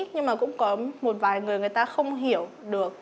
nhưng mà cũng có một vài người người ta không hiểu được